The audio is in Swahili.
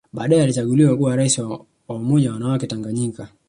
Baadae alichaguliwa kuwa Rais wa Umoja wa wanawake Tanganyika